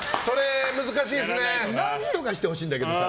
何とかしてほしいんだけどさ。